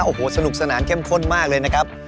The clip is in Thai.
โอ้โหสนุกสนานเข้มข้นมากเลยนะครับ